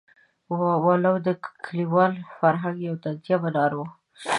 ولو د کلیوال فرهنګ یو طنزیه منار وو.